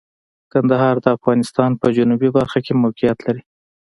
کندهار د افغانستان په جنوبی برخه کې موقعیت لري.